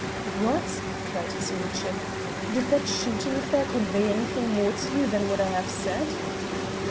"What?" cried his lordship. "Did that shooting affair convey anything more to you than what I have said?"